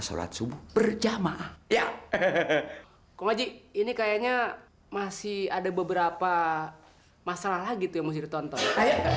sampai jumpa di video selanjutnya